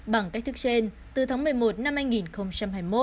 bằng cách thức trên từ tháng một mươi một năm hai nghìn hai mươi một